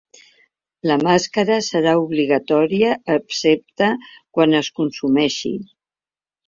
La màscara serà obligatòria excepte quan es consumeixi.